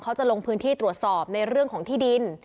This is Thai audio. เขาจะลงพื้นที่ตรวจสอบในเรื่องของที่ดิน